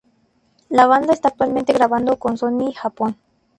La banda está actualmente grabando con Sony Japón.